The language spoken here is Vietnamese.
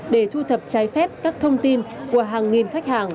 để thu thập trái phép các thông tin của hàng nghìn khách hàng